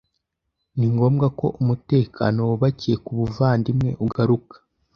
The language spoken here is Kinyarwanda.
Ni ngombwa ko umutekano wubakiye Ku buvandimwe ugaruka